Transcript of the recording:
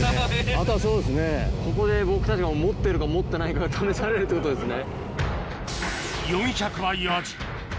ここで僕たちが持ってるか持ってないかが試されるってことですね。